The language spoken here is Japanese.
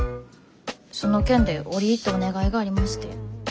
その件で折り入ってお願いがありまして。